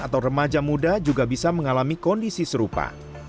atau remaja muda juga bisa mengalami kondisi serupa